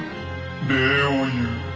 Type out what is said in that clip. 礼を言う。